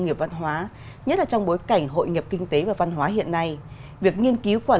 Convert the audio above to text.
nghiệp văn hóa nhất là trong bối cảnh hội nhập kinh tế và văn hóa hiện nay việc nghiên cứu quản